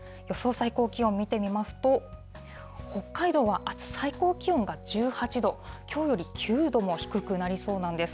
最高気温見てみますと、北海道はあす、最高気温が１８度、きょうより９度も低くなりそうなんです。